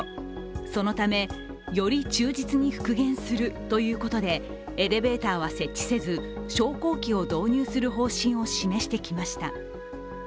そのため、より忠実に復元するということでエレベーターは設置せず、昇降機を導入する方針を示してきました。